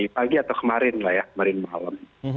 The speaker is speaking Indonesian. pagi atau kemarin lah ya kemarin malam